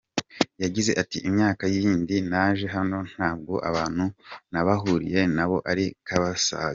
Yagize ati “Imyaka yindi naje hano ntabwo abantu nahahuriye nabo ari ko basaga.